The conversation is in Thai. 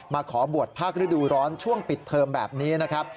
ขอบวชภาคฤดูร้อนช่วงปิดเทอมแบบนี้นะครับ